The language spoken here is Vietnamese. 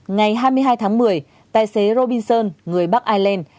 ngày hai mươi hai tháng một mươi tài xế robinson người bắc ireland